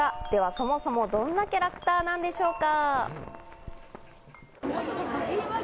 そもそもどんなキャラクターなんでしょうか？